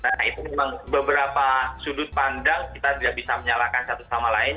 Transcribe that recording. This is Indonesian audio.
nah itu memang beberapa sudut pandang kita tidak bisa menyalahkan satu sama lain